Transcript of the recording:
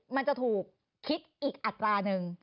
มันจะถูกคิดอีกอัตราหนึ่ง